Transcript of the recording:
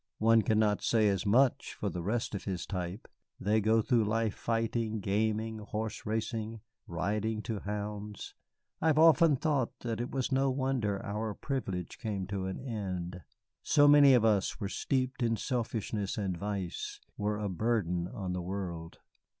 One cannot say as much for the rest of his type. They go through life fighting, gaming, horse racing, riding to hounds, I have often thought that it was no wonder our privileges came to an end. So many of us were steeped in selfishness and vice, were a burden on the world.